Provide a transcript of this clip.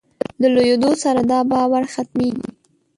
د لویېدو سره دا باور ختمېږي.